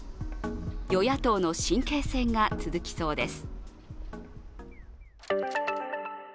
与野党の神経戦が続きそうです。